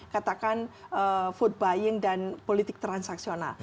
katakan food buying dan politik transaksional